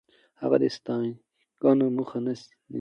هغه د سانتیاګو مخه نه نیسي.